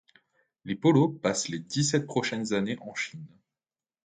Les Polo passe les dix-sept prochaines années en Chine.